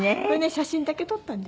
写真だけ撮ったんです。